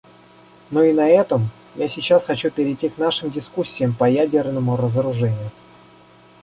Ну и на этом я сейчас хочу перейти к нашим дискуссиям по ядерному разоружению.